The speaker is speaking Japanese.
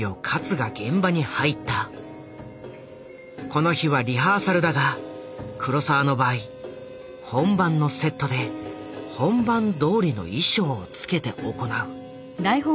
この日はリハーサルだが黒澤の場合本番のセットで本番どおりの衣装をつけて行う。